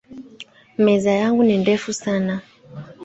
Meza yangu ni refu sana